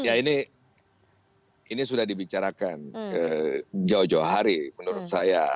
ya ini sudah dibicarakan jauh jauh hari menurut saya